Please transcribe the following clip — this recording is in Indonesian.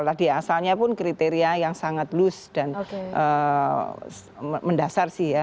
tadi asalnya pun kriteria yang sangat loose dan mendasar sih ya